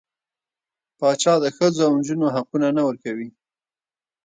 پاچا د ښځو او نجونـو حقونه نه ورکوي .